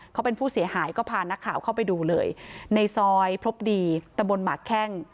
เขาเป็นผู้เสียหายก็พานักข่าวเข้าไปดูเลยในซอยพรบดีตะบนหมากแข้ง